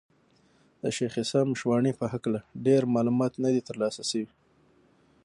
د شېخ عیسي مشواڼي په هکله ډېر معلومات نه دي تر لاسه سوي دي.